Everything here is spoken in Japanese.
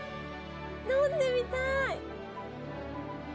飲んでみたい。